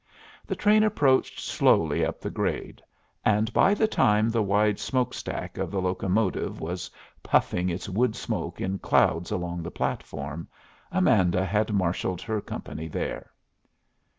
The train approached slowly up the grade, and by the time the wide smoke stack of the locomotive was puffing its wood smoke in clouds along the platform, Amanda had marshalled her company there.